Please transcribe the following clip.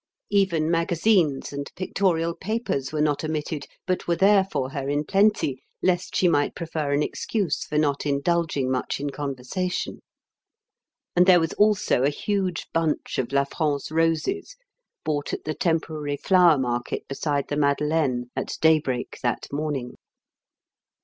Even magazines and pictorial papers were not omitted, but were there for her in plenty lest she might prefer an excuse for not indulging much in conversation; and there was also a huge bunch of La France roses bought at the temporary flower market beside the Madeleine at daybreak that morning.